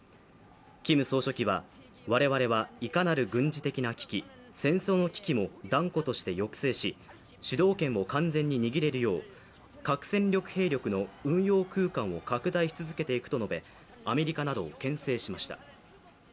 キム総書記は、我々はいかなる軍事的な危機、戦争の危機も断固として抑制し主導権を完全に握れるよう核戦力兵力の運用空間を拡大し続けていくと述べ、アメリカなどをけん制しました。